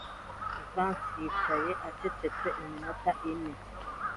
Jivency yicaye acecetse iminota ine